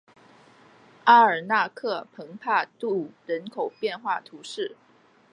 阿尔纳克蓬帕杜人口变化图示